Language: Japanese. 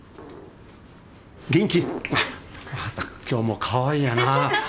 今日もかわいいやな。